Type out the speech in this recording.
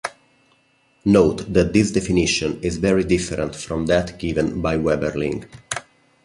Note that this definition is very different from that given by Weberling.